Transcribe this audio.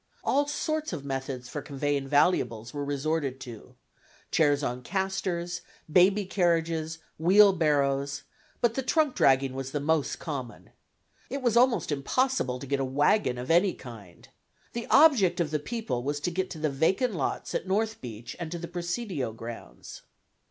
All sorts of methods for conveying valuables were resorted to, chairs on casters, baby carriages, wheelbarrows, but the trunk dragging was the most common. It was almost impossible to get a wagon of any kind. The object of the people was to get to the vacant lots at North Beach and to the Presidio grounds.